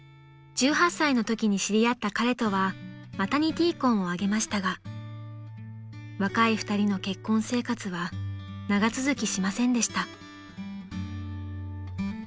［１８歳のときに知り合った彼とはマタニティ婚を挙げましたが若い２人の結婚生活は長続きしませんでした］